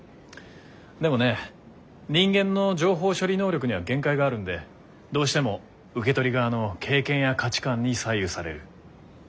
でもね人間の情報処理能力には限界があるんでどうしても受け取り側の経験や価値観に左右される。